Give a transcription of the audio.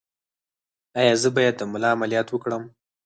ایا زه باید د ملا عملیات وکړم؟